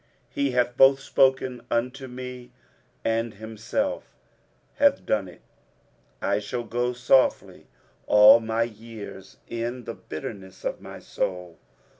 he hath both spoken unto me, and himself hath done it: I shall go softly all my years in the bitterness of my soul.